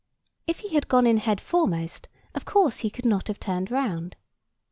If he had gone in head foremost, of course he could not have turned round.